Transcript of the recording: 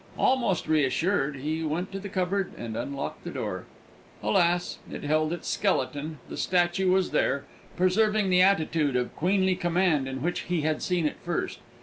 Almost reassured, he went to the cupboard and unlocked the door. Alas! it held its skeleton the statue was there, preserving the attitude of queenly command in which he had seen it first.